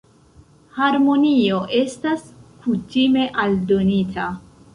Harmonio estas kutime aldonita.